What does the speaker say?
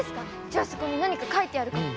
じゃあそこに何か書いてあるかも。